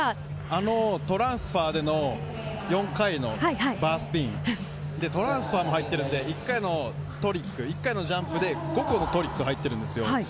あのトランスファーでの４回のバースピン、トランスファーも入ってるので、１回のトリック、１回のジャンプで５個のトリックが入ってるんですよ。